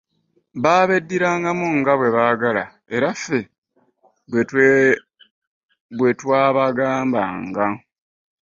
Baabeddirangamu nga bwe baagala, era ffe bwe twabagambanga.